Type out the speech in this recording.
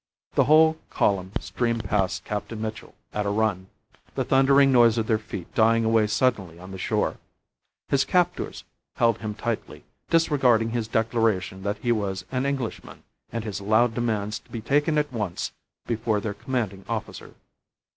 The whole column streamed past Captain Mitchell at a run, the thundering noise of their feet dying away suddenly on the shore. His captors held him tightly, disregarding his declaration that he was an Englishman and his loud demands to be taken at once before their commanding officer.